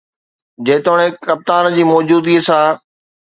جيتوڻيڪ ڪپتان جي موجودگي سان